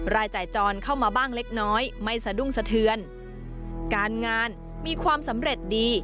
รายจ่ายจรเข้ามาบ้างเล็กน้อยไม่สะดุ้งสะเทือนการงานมีความสำเร็จดี